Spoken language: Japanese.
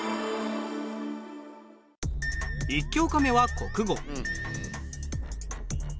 １教科目は国語。